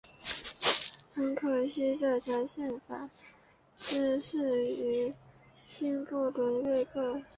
很可惜这条宪法只适用于新不伦瑞克。